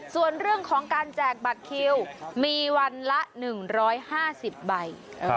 ส่วนเรื่องของการแจกบัตรคิวมีวันละ๑๕๐ใบ